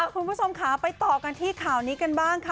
คุณผู้ชมค่ะไปต่อกันที่ข่าวนี้กันบ้างค่ะ